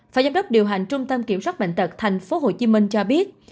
phó giám đốc điều hành trung tâm kiểm soát bệnh tật tp hcm cho biết